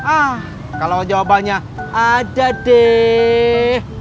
ah kalau jawabannya ada deh